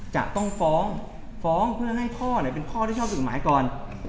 จะต้องฟ้องเพื่อให้พ่อเป็นพ่อที่ชอบด้วยกฎหมายก่อน